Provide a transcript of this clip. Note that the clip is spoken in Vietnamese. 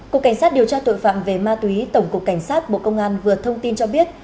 cục cảnh sát điều tra tội phạm về ma túy tổng cục cảnh sát bộ công an vừa thông tin cho biết